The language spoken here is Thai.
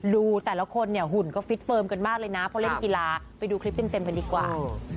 ดูแต่ละคนเนี่ยหุ่นก็ฟิตเฟิร์มกันมากเลยนะเพราะเล่นกีฬาไปดูคลิปเต็มกันดีกว่า